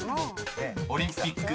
［オリンピック